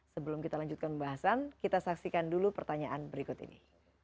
sebelum kita lanjutkan pembahasan kita saksikan dulu pertanyaan berikut ini